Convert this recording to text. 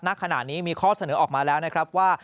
ณขณะนี้มีข้อเสนอออกมาแล้วนะครับว่า